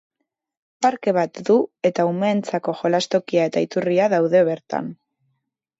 Parke bat du, eta umeentzako jolastokia eta iturria daude bertan.